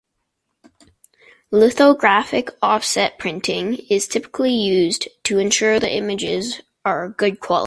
Lithographic offset printing is typically used, to ensure the images are good quality.